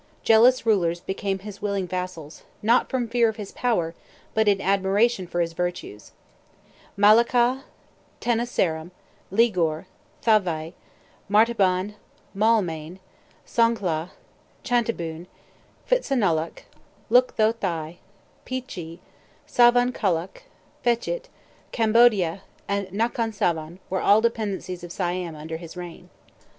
Jealous rulers became his willing vassals, not from fear of his power, but in admiration for his virtues. Malacca, Tenasserim, Ligor, Thavai, Martaban, Maulmain, Songkhla, Chantaboon, Phitsanulok, Look Kho Thai, Phi chi, Savan Khalok, Phechit, Cambodia, and Nakhon Savan were all dependencies of Siam under his reign.